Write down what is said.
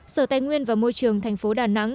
sở tài nguyên và môi trường thành phố đà nẵng